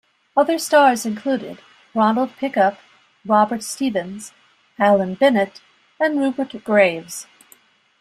Other stars included Ronald Pickup, Robert Stephens, Alan Bennett and Rupert Graves.